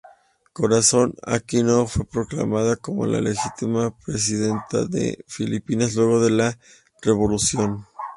Corazon Aquino fue proclamada como la legítima presidente de Filipinas luego de la revolución.